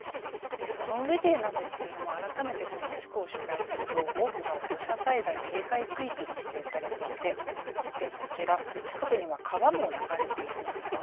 そのうえでなんですけれども改めてこの地区を取材すると多くが土砂災害警戒区域に指定されていて、こちら近くには川も流れているんです。